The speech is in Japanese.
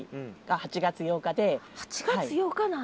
８月８日なんだ。